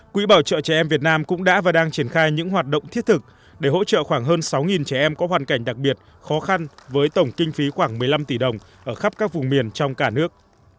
quỹ bảo trợ trẻ em việt nam cũng đã và đang triển khai những hoạt động thiết thực để hỗ trợ khoảng hơn sáu trẻ em có hoàn cảnh đặc biệt khó khăn với tổng kinh phí khoảng một mươi năm tỷ đồng ở khắp các vùng miền trong cả nước